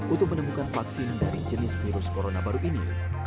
untuk menemukan vaksin dari jenis virus corona baru ini